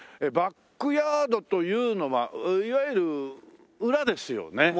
バックヤードというのはいわゆる裏ですよね？